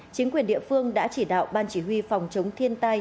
chính quyền địa phương đã chỉ đạo ban chỉ huy phòng chống thiên tai